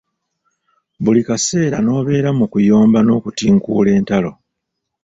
Buli kaseera n’obeera mu kuyomba n’okutinkuula entalo.